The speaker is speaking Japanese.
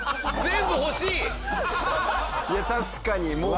いや確かにもう。